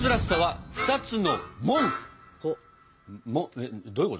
えっどういうこと？